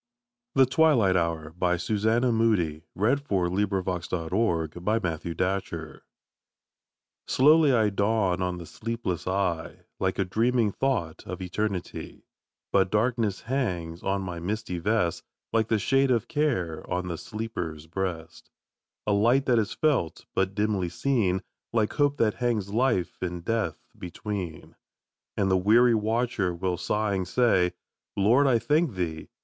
Of the night winds ruffling the azure deep! SONGS OF THE HOURS. THE TWILIGHT HOUR. Slowly I dawn on the sleepless eye, Like a dreaming thought of eternity; But darkness hangs on my misty vest, Like the shade of care on the sleeper's breast; A light that is felt but dimly seen, Like hope that hangs life and death between; And the weary watcher will sighing say, "Lord, I thank thee!